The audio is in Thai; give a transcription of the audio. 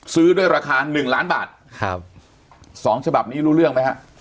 ซื้อด้วยราคาหนึ่งล้านบาทครับสองฉบับนี้รู้เรื่องไหมฮะ